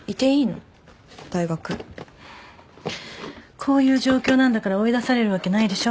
こういう状況なんだから追い出されるわけないでしょ。